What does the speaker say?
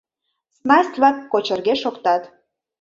Снасть-влак кочырге шоктат.